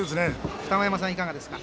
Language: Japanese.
二子山さん、いかがですか。